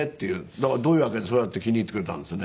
だからどういうわけでそうやって気に入ってくれたんですね。